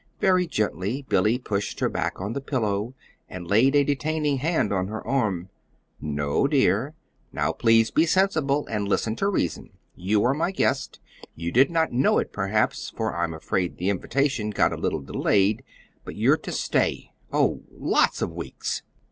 Very gently Billy pushed her back on the pillow and laid a detaining hand on her arm. "No, dear. Now, please be sensible and listen to reason. You are my guest. You did not know it, perhaps, for I'm afraid the invitation got a little delayed. But you're to stay oh, lots of weeks."